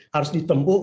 harus ditempuh untuk